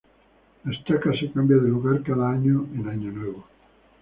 La estaca se cambia de lugar cada año en Año Nuevo.